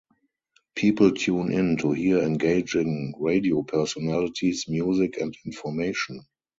People tune in to hear engaging radio personalities, music, and information.